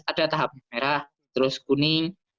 ada tahap merah terus kuning